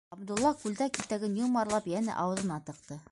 Ғабдулла, күлдәк итәген йомарлап, йәнә ауыҙына тыҡты.